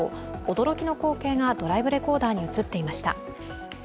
驚きの光景がドライブレコーダーに映っていました。